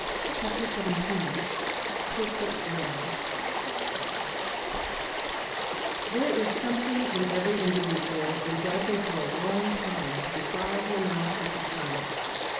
XVII PORTRAIT DRAWING There is something in every individual that is likely for a long time to defy the analysis of science.